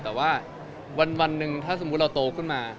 แต่ว่าวันหนึ่งถ้าสมมุติเราโตขึ้นมา